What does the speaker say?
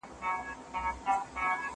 دا موسيقي له هغه خوږه ده!